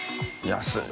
安い。